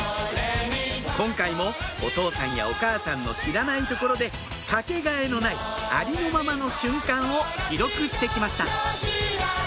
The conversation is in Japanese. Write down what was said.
今回もお父さんやお母さんの知らないところでかけがえのないありのままの瞬間を記録して来ました